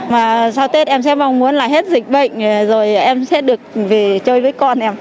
và sau tết em sẽ mong muốn là hết dịch bệnh rồi em sẽ được về chơi với con em